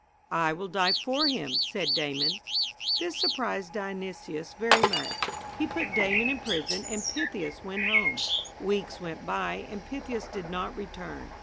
"I will die for him," said Damon. This surprised Dionysius very much. He put Damon in prison and Pythias went home. Weeks went by and Pythias did not return.